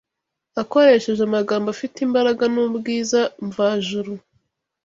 akoresheje amagambo afite imbaraga n’ubwiza mvajuru